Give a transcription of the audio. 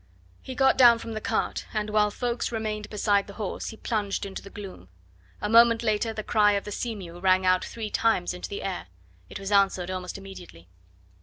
He got down from the cart, and while Ffoulkes remained beside the horse, he plunged into the gloom. A moment later the cry of the seamew rang out three times into the air. It was answered almost immediately.